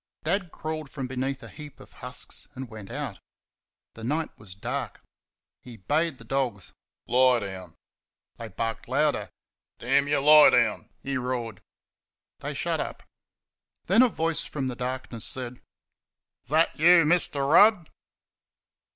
Dad crawled from beneath a heap of husks and went out. The night was dark. He bade the dogs "Lie down." They barked louder. "Damn you lie down!" he roared. They shut up. Then a voice from the darkness said: "Is that you, Mr. Rudd?"